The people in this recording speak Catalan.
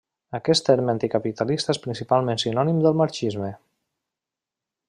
Aquest terme anticapitalista és principalment sinònim del marxisme.